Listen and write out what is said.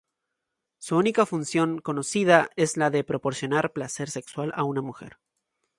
Su única función conocida es la de proporcionar placer sexual a la mujer.